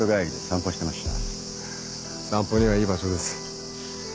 散歩にはいい場所です。